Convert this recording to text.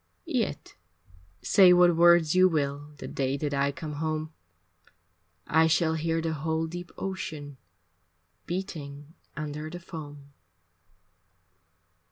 Yet say what words you will The day that I come home; I shall hear the whole deep ocean Beating under the foam.